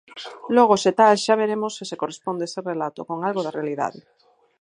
Logo, se tal, xa veremos se se corresponde ese relato con algo da realidade.